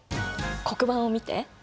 黒板を見て！